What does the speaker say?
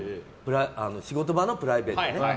仕事場のプライベートね。